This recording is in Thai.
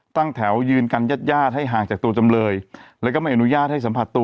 ตั้งแถวยืนกันญาติญาติให้ห่างจากตัวจำเลยแล้วก็ไม่อนุญาตให้สัมผัสตัว